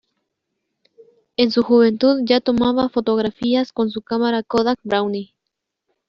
En su juventud ya tomaba fotografías con su cámara Kodak Brownie.